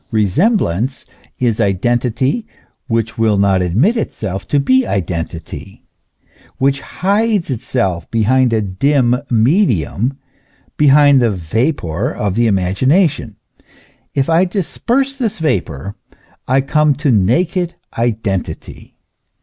Resemblance is identity which will not admit itself to he identity, which hides itself behind a dim medium, behind the vapour of the imagination. If I dis perse this vapour, I come to naked identity.